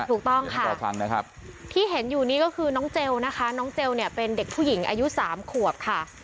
ถูกต้องค่ะรอฟังนะครับที่เห็นอยู่นี้ก็คือน้องเจลนะคะน้องเจลเนี่ยเป็นเด็กผู้หญิงอายุ๓ขวบค่ะ